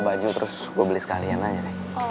baju terus gue beli sekalian aja deh